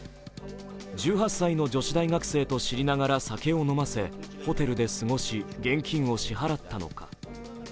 １８歳の女子大学生と知りながら酒を飲ませ、ホテルで過ごし現金を支払ったのか。